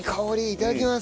いただきます。